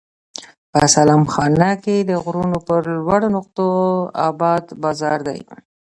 په سلام خانه کې د غرونو پر لوړو نقطو اباد بازار دی.